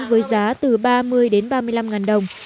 với giá từ ba mươi đến ba mươi năm ngàn đồng